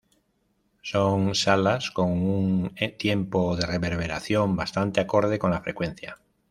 Son salas con un tiempo de reverberación bastante acorde con la frecuencia.